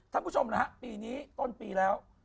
ท่านผู้ชมนะฮะปีนี้ต้นปีแล้ว